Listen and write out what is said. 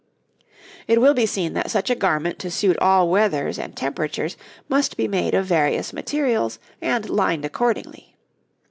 It will be seen that such a garment to suit all weathers and temperatures must be made of various materials and lined accordingly.